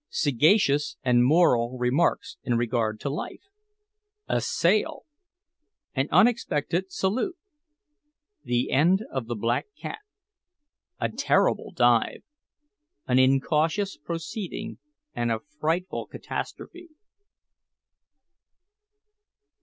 SAGACIOUS AND MORAL REMARKS IN REGARD TO LIFE A SAIL! AN UNEXPECTED SALUTE THE END OF THE BLACK CAT A TERRIBLE DIVE AN INCAUTIOUS PROCEEDING AND A FRIGHTFUL CATASTROPHE.